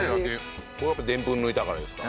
これやっぱでんぷん抜いたからですか？